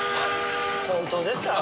本当ですか？